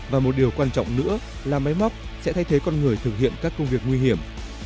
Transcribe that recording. và một điều quan trọng nữa là máy móc sẽ thay thế con người thực hiện các công việc nguy hiểm